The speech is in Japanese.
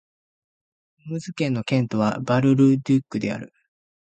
ムーズ県の県都はバル＝ル＝デュックである